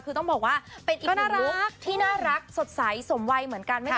คือต้องบอกว่าเป็นอีกน่ารักที่น่ารักสดใสสมวัยเหมือนกัน